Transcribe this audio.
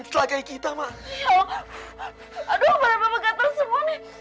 tolong aku dan mamah aku